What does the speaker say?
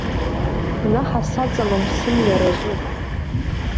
Гәнаҳа саҵалом, сымҩа разуп.